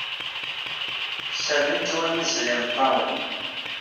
Serrint walen-is d imeṭṭawen.